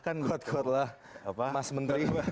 kuat kuatlah mas menteri